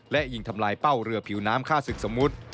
และยิงทำลายเป้าเรือผิวน้ำฆ่าศึกสมมุติ